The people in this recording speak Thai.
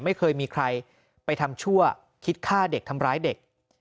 ไม่เคยมีใครไปทำชั่วคิดฆ่าเด็กทำร้ายเด็ก